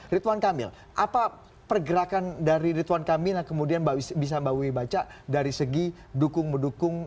ridwan kamil apa pergerakan dari ritwan kamil yang kemudian bisa mbak wiwi baca dari segi dukung mendukung